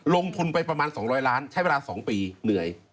ลงทุนไปประมาณ๒๐๐ล้านใช้เวลา๒ปีเหนื่อย